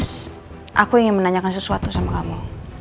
is aku ingin menanyakan sesuatu sama kamu